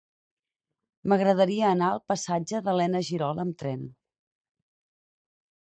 M'agradaria anar al passatge d'Elena Girol amb tren.